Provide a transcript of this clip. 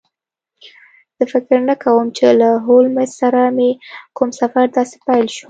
زه فکر نه کوم چې له هولمز سره مې کوم سفر داسې پیل شو